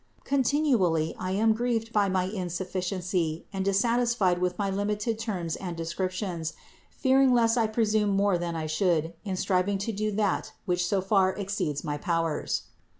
Continually I am grieved by my insufficiency and dissatisfied with my limited terms and descriptions, fearing lest I presume more than I should in striving to do that which so far exceeds my powers.